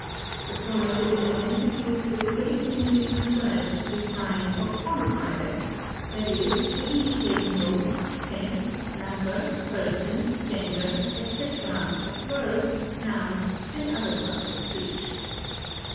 The formative element is used with a great many different words to define or qualify them; that is, to indicate mode, tense, number, person, gender, etc., of verbs, nouns, and other parts of speech.